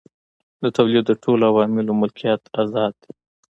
د تولید د ټولو عواملو ملکیت ازاد دی.